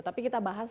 tapi kita bahas